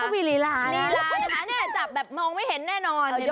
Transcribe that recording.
ต้องมีลีลานะฮะนี่จับแบบมองไม่เห็นแน่นอนเห็นไหม